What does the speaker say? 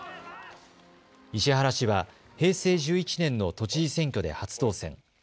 石原氏は平成１１年の都知事選挙で初当選。